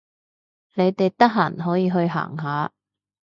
你哋得閒可以去行下